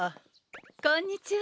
こんにちは。